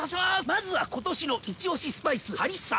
まずは今年のイチオシスパイスハリッサ！